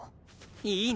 いいね！